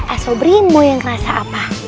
assobri mau yang rasa apa